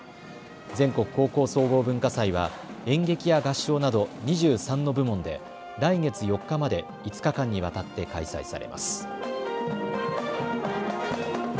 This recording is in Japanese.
全国高校総合文化祭は演劇や合唱など２３の部門で来月４日まで５日間にわたって開催されます。